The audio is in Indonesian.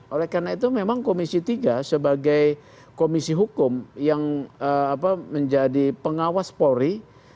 oleh karena itu memang komisi tiga sebagai komisi hukum yang menjadi pengawas polri